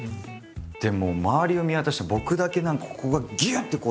でもう周りを見渡して僕だけ何かここがぎゅって閉まる。